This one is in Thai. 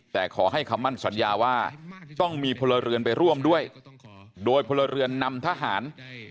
แต่ขอให้คำมั่นสัญญาว่าต้องมีพลเรือนไปร่วมด้วยโดยพลเรือนนำทหาร